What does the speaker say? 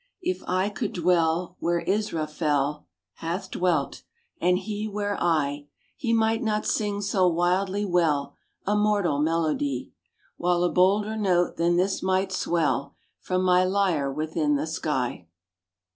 If I could dwell Where Israfel 185] RAINBOW GOLD Hath dwelt, and he where I, He might not sing so wildly well A mortal melody, While a bolder note than this might swell From my lyre within the sky.